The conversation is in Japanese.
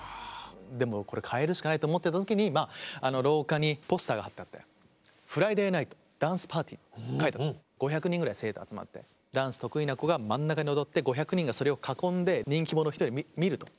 でもこれ変えるしかないと思ってた時にまあ廊下にポスターが貼ってあって５００人ぐらい生徒集まってダンス得意な子が真ん中で踊って５００人がそれを囲んで人気者１人を見ると。